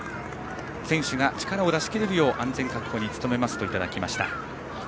選手が力を出し切れるよう安全確保に努めますといただきました。